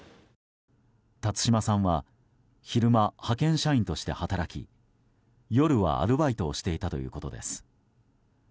辰島さんは昼間、派遣社員として働き夜はアルバイトをしていたということです。